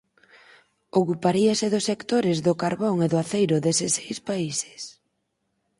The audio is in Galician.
Ocuparíase dos sectores do Carbón e do Aceiro deses seis países.